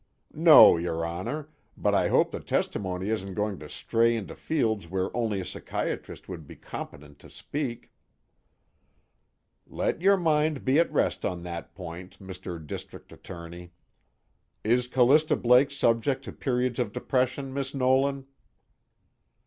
"No, your Honor. But I hope the testimony isn't going to stray into fields where only a psychiatrist would be competent to speak." "Let your mind be at rest on that point, Mr. District Attorney. Is Callista Blake subject to periods of depression, Miss Nolan?"